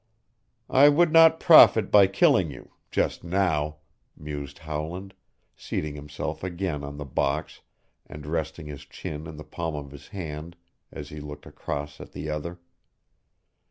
"I would not profit by killing you just now," mused Howland, seating himself again on the box and resting his chin in the palm of his hand as he looked across at the other.